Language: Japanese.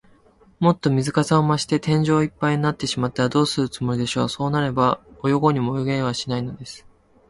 もっと水かさが増して、天井いっぱいになってしまったら、どうするつもりでしょう。そうなれば、泳ごうにも泳げはしないのです。